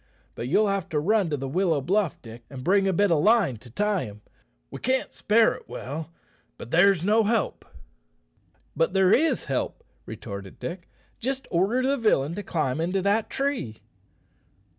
But you'll have to run to the willow bluff, Dick, and bring a bit of line to tie him. We can't spare it well; but there's no help." "But there is help," retorted Dick. "Just order the villain to climb into that tree."